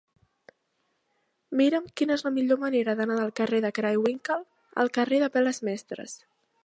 Mira'm quina és la millor manera d'anar del carrer de Craywinckel al carrer d'Apel·les Mestres.